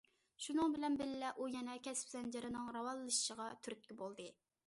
شۇنىڭ بىلەن بىللە، ئۇ يەنە كەسىپ زەنجىرىنىڭ راۋانلىشىشىغا تۈرتكە بولدى.